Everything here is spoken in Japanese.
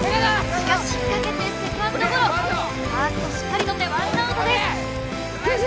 しかし引っかけてセカンドゴロファーストしっかり捕ってワンナウトです・ナイス！